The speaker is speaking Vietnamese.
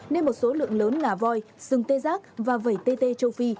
nên một số lượng lớn ngà voi sừng tê giác và vẩy tê châu phi